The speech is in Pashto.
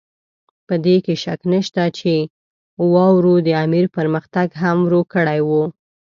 په دې کې شک نشته چې واورو د امیر پرمختګ هم ورو کړی وو.